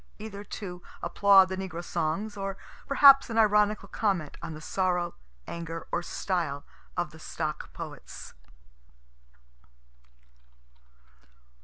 Either to applaud the negro songs or perhaps an ironical comment on the sorrow, anger, or style of the stock poets.